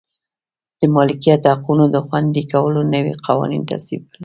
د مالکیت حقونو د خوندي کولو نوي قوانین تصویب کړل.